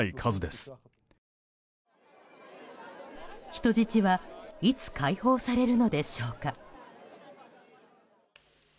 人質はいつ解放されるのでしょうか。